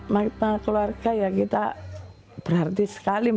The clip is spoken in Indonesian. kami berharga dan berhati hati